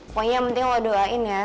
pokoknya yang penting mau doain ya